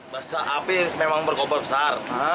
basah api memang berkobar besar